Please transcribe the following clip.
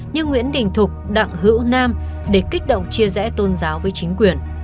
như nguyễn đình thục đặng hữu nam để kích động chia rẽ tôn giáo với chính quyền